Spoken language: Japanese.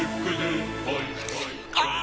ああ！